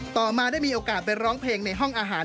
ต่อมาได้มีโอกาสไปร้องเพลงในห้องอาหาร